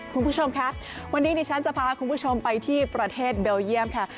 คุณผู้ชมค่ะวันนี้ดิฉันจะพาคุณผู้ชมไปที่ประเทศเบลเยี่ยมค่ะ